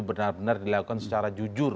benar benar dilakukan secara jujur